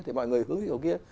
thì mọi người hướng theo kiểu kia